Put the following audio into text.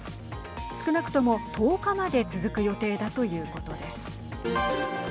少なくとも１０日まで続く予定だということです。